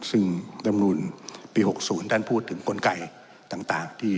ซึ่งรามรุนปี๖๐ท่านพูดถึงกลไกต่าง